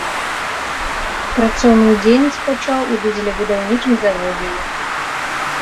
Працоўную дзейнасць пачаў у дызелебудаўнічым заводзе ім.